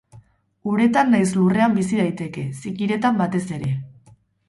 Uretan nahiz lurrean bizi daiteke, zingiretan batez ere.